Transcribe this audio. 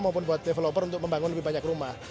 maupun buat developer untuk membangun lebih banyak rumah